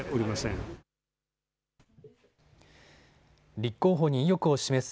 立候補に意欲を示す